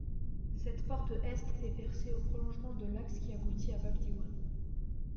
Cette porte est est percée au prolongement de l’axe qui aboutit à Bab Diwan.